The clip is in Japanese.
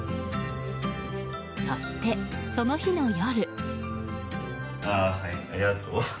そして、その日の夜。